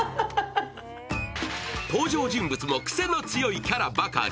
登場人物も癖のあるキャラばかり。